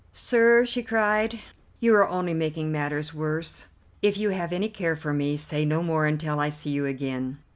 "Sir," she cried, "you are only making matters worse. If you have any care for me, say no more until I see you again."